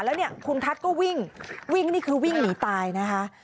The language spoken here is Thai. แล้วเนี่ยคุณทัศน์ก็วิ่งวิ่งนี่คือวิ่งหนีตายนะคะ